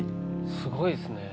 すごいっすね。